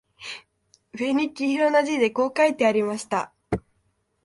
上に黄色な字でこう書いてありました